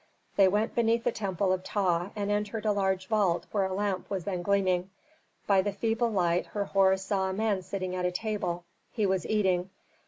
They went beneath the temple of Ptah and entered a large vault where a lamp was then gleaming. By the feeble light Herhor saw a man sitting at a table; he was eating.